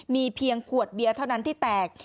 มีเพียงขวดเบียร์เท่านั้นที่แตก